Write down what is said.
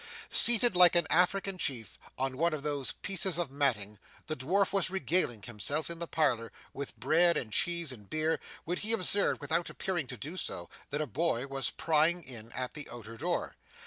Seated, like an African chief, on one of these pieces of matting, the dwarf was regaling himself in the parlour, with bread and cheese and beer, when he observed without appearing to do so, that a boy was prying in at the outer door.